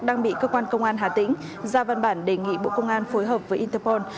đang bị cơ quan công an hà tĩnh ra văn bản đề nghị bộ công an phối hợp với interpol